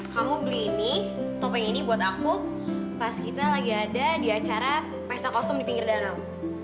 kamu beli ini topeng ini buat aku pas kita lagi ada di acara pesta kostum di pinggir danau